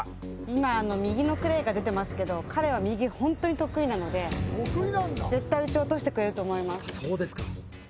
今、右のクレーが出てますけど、彼は右、ホントに得意なので絶対撃ち落としてくれると思います。